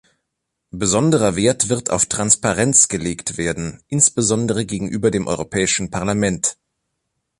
Besonderer Wert wird auf Transparenz gelegt werden, insbesondere gegenüber dem Europäischen Parlament.